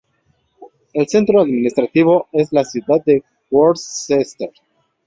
El centro administrativo es la ciudad de Worcester.